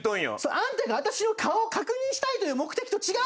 あんたが私の顔を確認したいという目的と違うん？